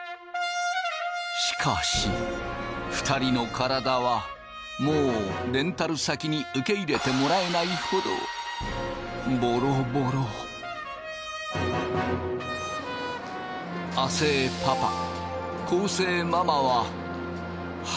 しかし２人の体はもうレンタル先に受け入れてもらえないほど亜生パパ昴